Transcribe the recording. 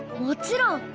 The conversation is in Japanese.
もちろん！